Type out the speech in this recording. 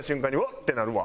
ってなるわ。